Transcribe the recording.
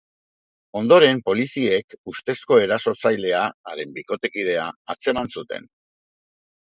Ondoren, poliziek ustezko erasotzailea, haren bikotekidea, atzeman zuten.